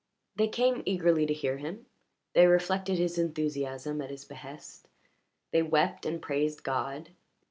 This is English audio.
They came eagerly to hear him, they reflected his enthusiasm at his behest, they wept and praised God.